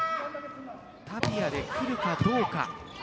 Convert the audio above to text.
タピアで来るかどうか。